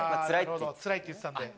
つらいって言ってたんで。